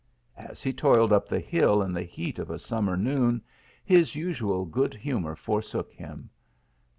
As he to. led up the hill in the heat of a summer noon his usual good humour forsook him.